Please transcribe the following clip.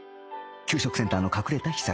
給食センターの隠れた秘策